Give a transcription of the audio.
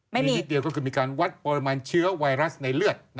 มีนิดเดียวก็คือมีการวัดปริมาณเชื้อไวรัสในเลือด